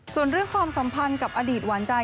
ส่วนเรื่องความสัมพันธ์กับอดีตหวานใจ